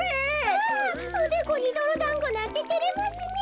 ああおでこにどろだんごなんててれますねえ。